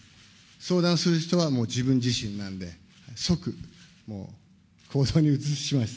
相談する人はもう自分自身なんで、即、もう、行動に移します。